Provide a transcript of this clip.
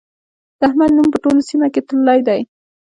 د احمد نوم په ټوله سيمه کې تللی دی.